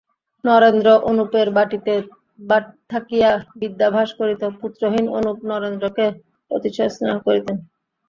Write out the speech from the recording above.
নরেন্দ্র অনুপের বাটীতে থাকিয়া বিদ্যাভ্যাস করিত, পুত্রহীন অনুপ নরেন্দ্রকে অতিশয় স্নেহ করিতেন।